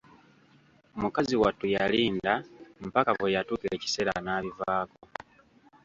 Mukazi wattu yalinda mpaka bwe yatuuka ekiseera n'abivaako.